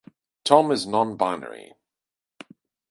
Tom is non-binary.